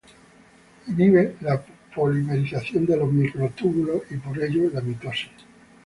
Inhiben la polimerización de los microtúbulos y por ello la mitosis.